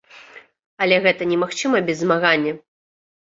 Але гэта немагчыма без змагання.